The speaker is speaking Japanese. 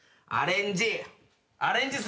アレンジ。